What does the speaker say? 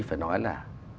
phải nói là